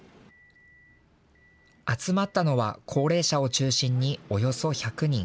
集まったのは高齢者を中心におよそ１００人。